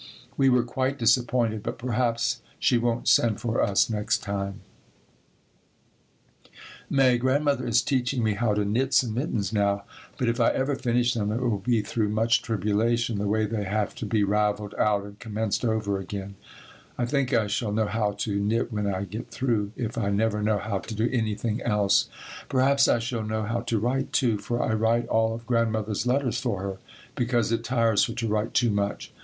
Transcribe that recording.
We were quite disappointed, but perhaps she won't send for us next time. [Illustration: Tom Eddy and Eugene Stone, "Uncle David Dudley Field"] May. Grandmother is teaching me how to knit some mittens now, but if I ever finish them it will be through much tribulation, the way they have to be raveled out and commenced over again. I think I shall know how to knit when I get through, if I never know how to do anything else. Perhaps I shall know how to write, too, for I write all of Grandmother's letters for her, because it tires her to write too much.